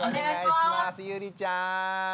ゆうりちゃん。